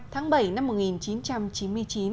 tháng bảy năm một nghìn chín trăm chín mươi chín